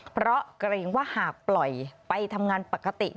เพราะเกรงว่าหากปล่อยไปทำงานปกติ